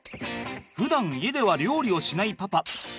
ふだん家では料理をしないパパ。